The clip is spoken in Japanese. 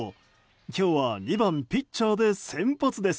今日は２番ピッチャーで先発です。